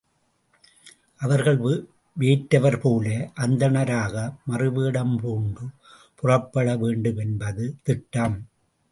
அவர்கள் வேற்றவர் போல அந்தணராக மாறுவேடம் பூண்டு புறப்பட வேண்டுமென்பது திட்டம்.